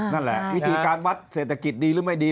นั่นแหละวิธีการวัดเศรษฐกิจดีหรือไม่ดี